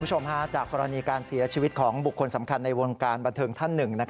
จากกรณีการเสียชีวิตของบุคคลสำคัญในวงการบันเทิงท่านหนึ่ง